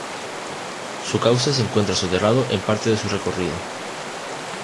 Su cauce se encuentra soterrado en parte de su recorrido.